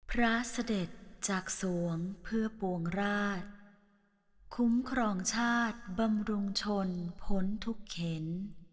พระเสด็จจากสวงเพื่อปวงราชคุ้มครองชาติบำรุงชนพ้นทุกเข็น